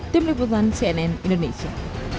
tim liputan cnn indonesia